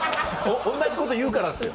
同じこと言うからですよ。